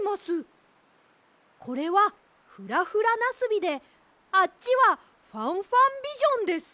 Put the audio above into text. これは「フラフラなすび」であっちは「ファンファンビジョン」です。